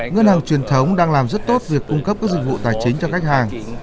ngân hàng truyền thống đang làm rất tốt việc cung cấp các dịch vụ tài chính cho khách hàng